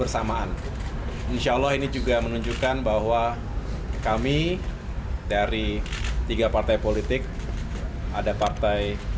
sambil menurutmu sasih hati hati